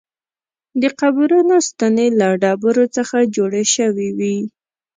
د قبرونو ستنې له ډبرو څخه جوړې شوې وې.